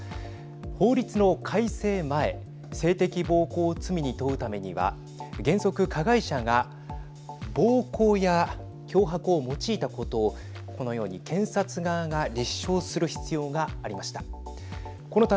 法律の改正前性的暴行を罪に問うためには原則加害者が暴行や脅迫を用いたことをこのように検察側が立証する必要がありました。